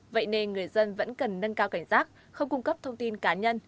vậy nên người dân vẫn cần nâng cao cảnh giác không cung cấp thông tin cá nhân